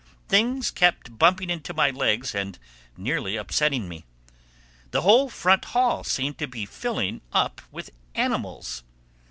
Things kept bumping into my legs and nearly upsetting me. The whole front hall seemed to be filling up with animals.